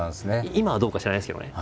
今はどうか知らないですけどね。